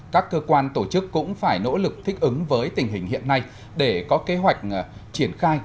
các cơ quan tổ chức cũng phải nỗ lực thích ứng với tình hình hiện nay để có kế hoạch triển khai